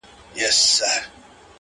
o د گل خندا؛